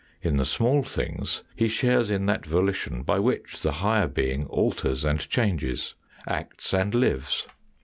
In the small things he shares *in that volition by which the higher being alters and changes, acts and lives.